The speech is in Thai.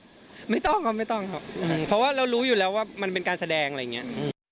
ไม่ต้องครับไม่ต้องครับเพราะว่าเรารู้อยู่แล้วว่ามันเป็นการแสดงอะไรอย่างนี้